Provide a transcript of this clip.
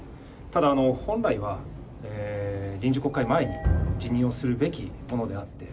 ただ、本来は、臨時国会前に辞任をするべきものであって。